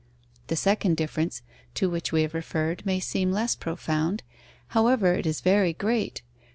The second difference to which we have referred may seem less profound. However, it is very great.